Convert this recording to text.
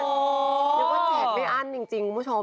เรียกว่าแจกไม่อั้นจริงคุณผู้ชม